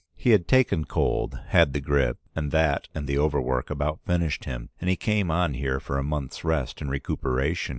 He had taken cold, had the grip, and that and the overwork about finished him, and he came on here for a month's rest and recuperation.